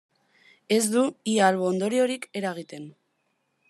Ez du ia albo-ondoriorik eragiten.